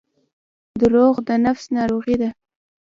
• دروغ د نفس ناروغي ده.